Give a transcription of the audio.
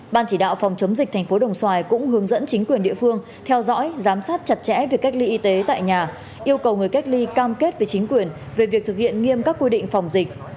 ban chỉ đạo phòng chống dịch thành phố đồng xoài cũng hướng dẫn chính quyền địa phương theo dõi giám sát chặt chẽ việc cách ly y tế tại nhà yêu cầu người cách ly cam kết với chính quyền về việc thực hiện nghiêm các quy định phòng dịch